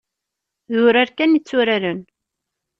D urar kan i tturaren.